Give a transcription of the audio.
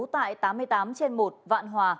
tại tám mươi tám trên một vạn hòa